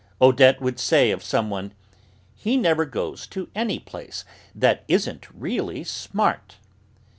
Odette would say of some one: "He never goes to any place that isn't really smart."